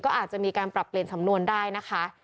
ก็อาจจะมีการปรับเปลี่ยนสำนวนได้นะคะ